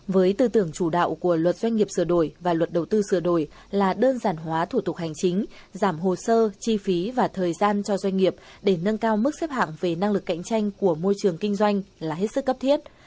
với tư tưởng chủ đạo của luật doanh nghiệp sửa đổi và luật đầu tư sửa đổi là đơn giản hóa thủ tục hành chính giảm hồ sơ chi phí và thời gian cho doanh nghiệp để nâng cao mức xếp hạng về năng lực cạnh tranh của môi trường kinh doanh là hết sức cấp thiết